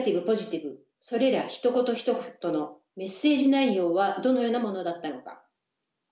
ポジティブそれらひと言ひと言のメッセージ内容はどのようなものだったのか？